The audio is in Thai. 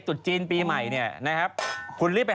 คลีนก่อนทำความสะอาดก่อนนะครับ